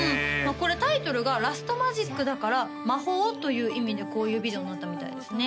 これタイトルが「Ｌａｓｔｍａｇｉｃ」だから「魔法」という意味でこういうビデオになったみたいですね